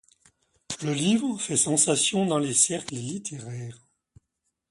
Le livre fait sensation dans les cercles littéraires.